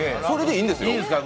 それでいいんですよ